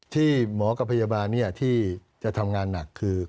ที่หมอกับพยาบาลที่จะทำงานหนักคือ